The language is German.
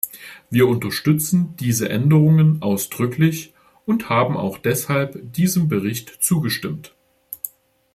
Wir unterstützen diese Änderungen ausdrücklich und haben auch deshalb diesem Bericht zugestimmt.